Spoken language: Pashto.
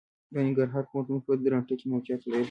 د ننګرهار پوهنتون په درنټه کې موقعيت لري.